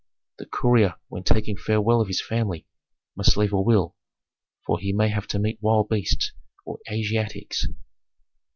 The courier when taking farewell of his family must leave a will, for he may have to meet wild beasts or Asiatics.